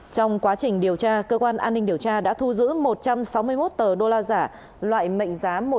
trong quá trình điều tra cơ quan an ninh điều tra đã thu giữ một trăm sáu mươi một tờ đô la giả loại mệnh giá